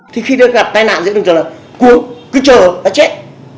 thì khi đợi gặp tai nạn thì đừng chờ là cuốn cứ chờ là chết